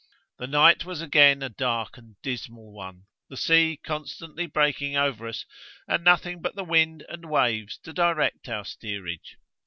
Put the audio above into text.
The night was again a dark and dismal one, the sea constantly breaking over us, and nothing but the wind and waves to direct our steerage.